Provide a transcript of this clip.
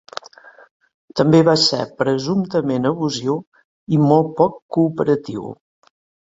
També va ser presumptament abusiu i molt poc cooperatiu.